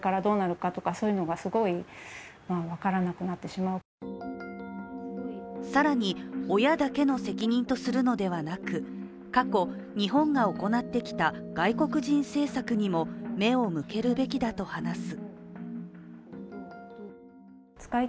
支援を続けている女性は更に、親だけの責任とするのではなく過去、日本が行ってきた外国人政策にも目を向けるべきだと話す。